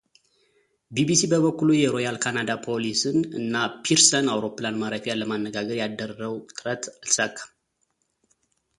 ቢቢሲ በበኩሉ የሮያል ካናዳ ፖሊሰን እና ፒርሰን አውሮፕላን ማረፊያ ለማነጋገር ያደረው ጥረት አልተሳካም።